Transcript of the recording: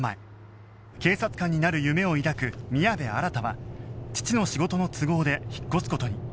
警察官になる夢を抱く宮部新は父の仕事の都合で引っ越す事に